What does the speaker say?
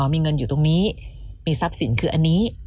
มีเงินอยู่ตรงนี้มีทรัพย์สินคืออันนี้